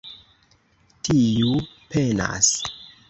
Tiu penas.